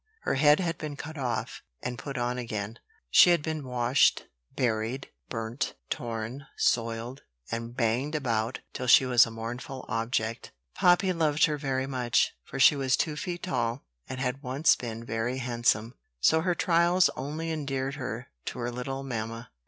Her head had been cut off (and put on again); she had been washed, buried, burnt, torn, soiled, and banged about till she was a mournful object. Poppy loved her very much; for she was two feet tall, and had once been very handsome: so her trials only endeared her to her little mamma.